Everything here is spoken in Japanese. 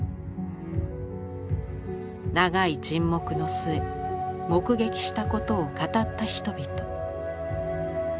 長い沈黙の末目撃したことを語った人々。